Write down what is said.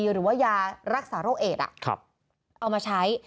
หรือว่ายารักษาโรคเอดเอามาใช้